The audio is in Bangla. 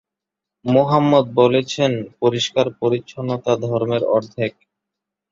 মুহাম্মদ বলেছেন, "পরিষ্কার পরিচ্ছন্নতা ধর্মের অর্ধেক"।